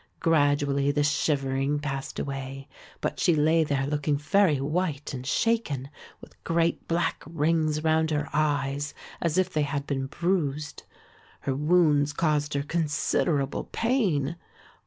Gradually the shivering passed away, but she lay there looking very white and shaken, with great black rings round her eyes, as if they had been bruised. Her wounds caused her considerable pain.